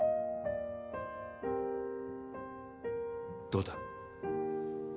どうだ？